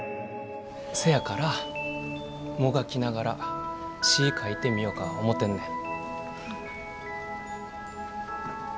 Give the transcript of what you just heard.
せやからもがきながら詩ぃ書いてみよか思てんねん。